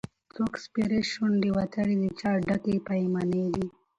څوک سپېرې شونډي وتلي د چا ډکي پیمانې دي